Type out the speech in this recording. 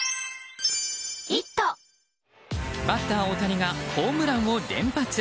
バッター大谷がホームランを連発。